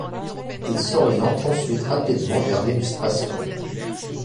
Il s'oriente ensuite rapidement vers l'illustration.